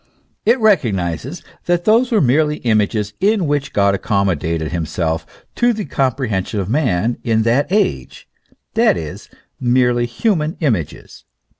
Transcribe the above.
It recognises that those were merely images in which God accommodated himself to the com prehension of men in that age, that is, merely human images.